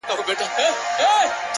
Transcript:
o زه چـي په باندي دعوه وكړم ـ